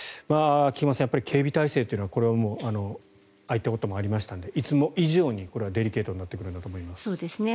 菊間さん、やっぱり警備体制というのはああいったこともありましたのでいつも以上にデリケートになってくるんだと思います。